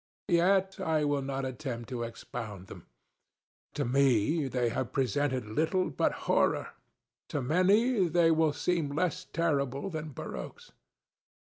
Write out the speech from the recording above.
Yet I will not attempt to expound them. To me, they have presented little but horrorŌĆöto many they will seem less terrible than barroques.